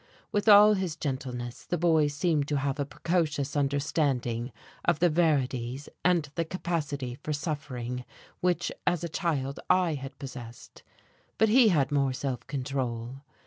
With all his gentleness, the boy seemed to have a precocious understanding of the verities, and the capacity for suffering which as a child I had possessed. But he had more self control.